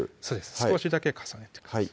少しだけ重ねてください